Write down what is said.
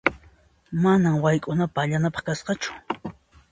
Manan wayk'una pallanapaq kasqachu.